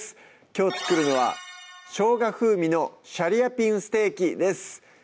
きょう作るのは「しょうが風味のシャリアピンステーキ」です